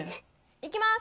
いきます。